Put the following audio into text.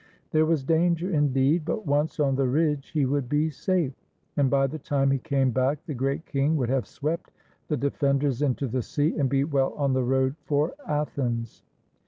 There was danger indeed, but once on the ridge he would be safe ; and by the time he came back the Great King would have swept the defenders into the sea and be well on the road for Athens.